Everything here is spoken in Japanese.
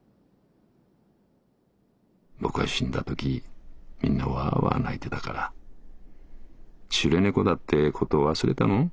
「ボクが死んだときみんなわぁわぁ泣いてたから『シュレ猫だってこと忘れたの？